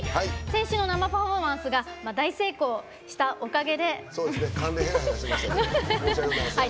先週の生パフォーマンスが大成功したおかげで。